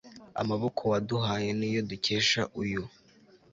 amaboko waduhaye, niyo dukesha uyu